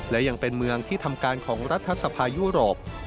และยังเป็นเมืองที่ทำการของรัฐสภายุโรป